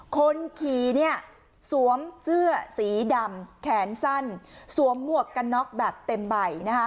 คนขี่เนี่ยสวมเสื้อสีดำแขนสั้นสวมหมวกกันน็อกแบบเต็มใบ